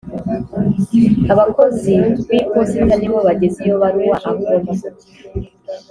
abakozi biposita ni bo bageza iyo baruwa aho igomba kujya